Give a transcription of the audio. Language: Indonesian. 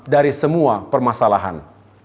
dari semua permasalahan